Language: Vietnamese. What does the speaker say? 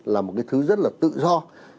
là một thứ rất là tự do